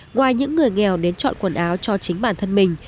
ngoài những người nghèo đến chọn quần áo cho chính bản thân mình